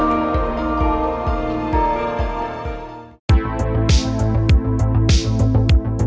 semoga sukses terus di pengangkut warungnya